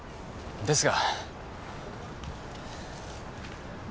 ですが。